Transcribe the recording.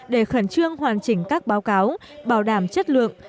để khẩn trương hoàn chỉnh các báo cáo bảo đảm chất lượng